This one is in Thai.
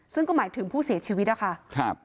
ซึ่งก็หมายถึงผู้เสียชีวิตนะคะ